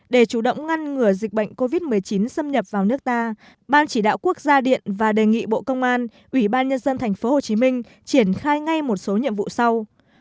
để chủ động ngăn ngừa dịch bệnh covid một mươi chín xâm nhập vào nước ta ban chỉ đạo quốc gia điện và đề nghị bộ công an ủy ban nhân dân tp hcm triển khai ngay một số nhiệm vụ sau